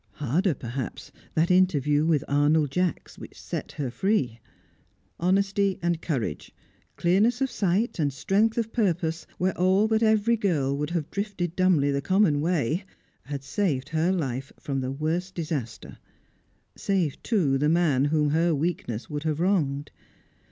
Harder, perhaps, that interview with Arnold Jacks which set her free. Honesty and courage clearness of sight and strength of purpose where all but every girl would have drifted dumbly the common way had saved her life from the worst disaster: saved, too, the man whom her weakness would have wronged.